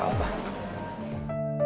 gue udah pengen cinta